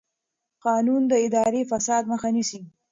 قانون د اداري فساد مخه نیسي.